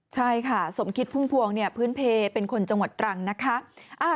ใช่ค่ะสมคิดพุ่มพวงพื้นเพลเป็นคนจังหวัดตรังนะคะ